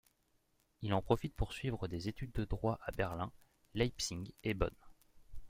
Il en profite pour suivre des études de Droit à Berlin, Leipzig et Bonn.